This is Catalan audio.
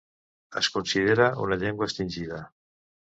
Es considera una llengua extingida.